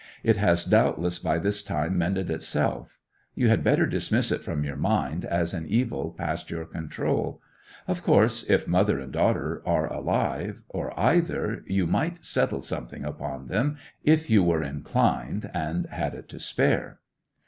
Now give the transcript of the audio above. It has doubtless by this time mended itself. You had better dismiss it from your mind as an evil past your control. Of course, if mother and daughter are alive, or either, you might settle something upon them, if you were inclined, and had it to spare.